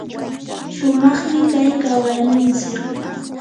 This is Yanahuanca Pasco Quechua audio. shumaqmi kay kawaynintsik.